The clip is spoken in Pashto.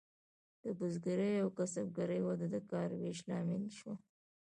د بزګرۍ او کسبګرۍ وده د کار ویش لامل شوه.